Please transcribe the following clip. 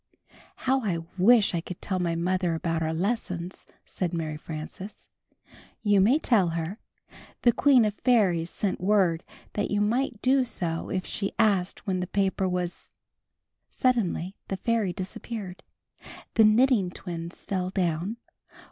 "How I wish I could tell my mother about our lessons," said Mary Frances. "You may tell her. The Queen of Fairies sent word that you might do so if you asked when the paper was " Suddenly the fairy disappeared. The Knitting Twins fell down.